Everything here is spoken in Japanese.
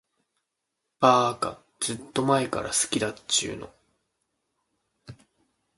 ばーか、ずーっと前から好きだっちゅーの。